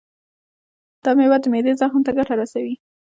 دا میوه د معدې زخم ته ګټه رسوي.